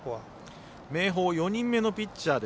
明豊４人目のピッチャー